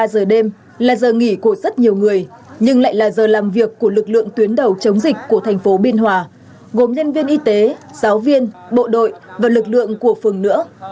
ba giờ đêm là giờ nghỉ của rất nhiều người nhưng lại là giờ làm việc của lực lượng tuyến đầu chống dịch của thành phố biên hòa gồm nhân viên y tế giáo viên bộ đội và lực lượng của phường nữa